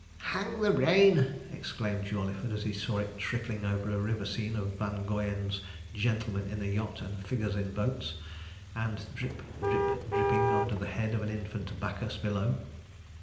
'Hang the rain!' exclaimed Jawleyford, as he saw it trickling over a river scene of Van Goyen's (gentlemen in a yacht, and figures in boats), and drip, drip, dripping on to the head of an infant Bacchus below.